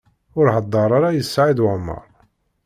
Ur heddeṛ ara i Saɛid Waɛmaṛ.